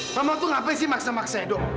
mama tuh gak persi maksa maksa edo